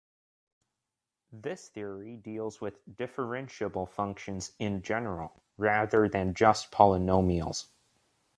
This theory deals with differentiable functions in general, rather than just polynomials.